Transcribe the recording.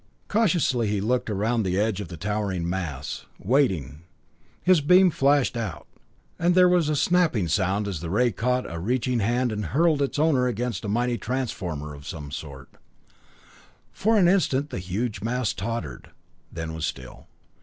Cautiously he looked around the edge of the towering mass, waiting his beam flashed out, and there was a snapping sound as the ray caught a reaching hand and hurled its owner against a mighty transformer of some sort. For an instant the huge mass tottered, then was still.